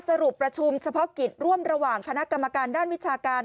สรุปประชุมเฉพาะกิจร่วมระหว่างคณะกรรมการด้านวิชาการ